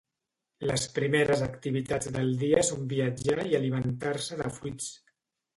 Les primeres activitats del dia són viatjar i alimentar-se de fruits.